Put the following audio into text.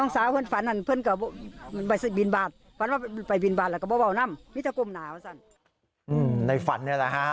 ฝันนี่แหละฮะ